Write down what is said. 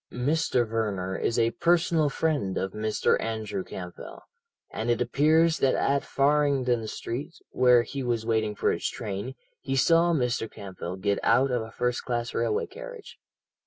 "Mr. Verner is a personal friend of Mr. Andrew Campbell, and it appears that at Farringdon Street, where he was waiting for his train, he saw Mr. Campbell get out of a first class railway carriage.